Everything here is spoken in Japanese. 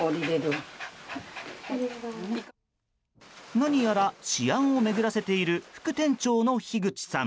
何やら試案を巡らせている副店長の樋口さん。